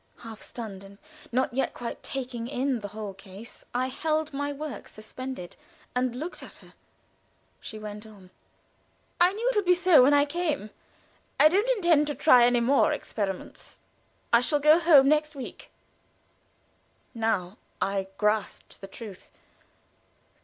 Half stunned, and not yet quite taking in the whole case, I held my work suspended, and looked at her. She went on: "I knew it would be so when I came. I don't intend to try any more experiments. I shall go home next week." Now I grasped the truth.